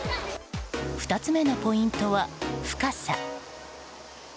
２つ目のポイントは深さ。